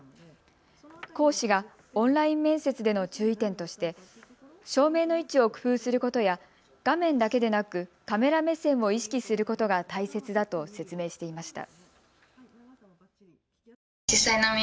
講師がオンライン面接での注意点として照明の位置を工夫することや画面だけでなく、カメラ目線を意識することが大切だと説明していました。